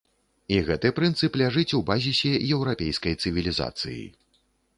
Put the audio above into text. І гэты прынцып ляжыць у базісе еўрапейскай цывілізацыі.